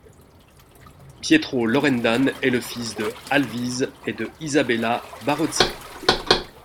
Pietro Loredan est le fils de Alvise et de Isabella Barozzi.